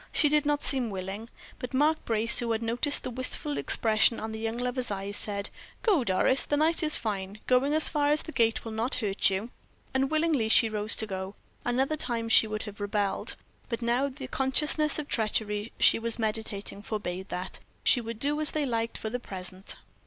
She did not seem willing, but Mark Brace, who had noticed the wistful expression of the young lover's eyes, said: "Go, Doris; the night is fine; going as far as the gate will not hurt you." Unwillingly she rose to go. Another time she would have rebelled, but now the consciousness of the treachery she was meditating forbade that; she would do as they liked for the present.